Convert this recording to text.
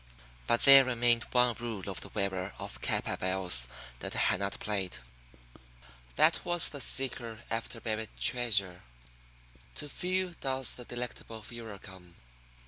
But there remained one rule of the wearer of cap and bells that I had not played. That was the Seeker after Buried Treasure. To few does the delectable furor come.